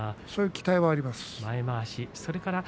そういう期待があります。